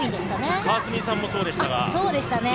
川澄さんもそうでしたが。